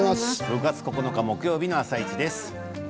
６月９日木曜日の「あさイチ」です。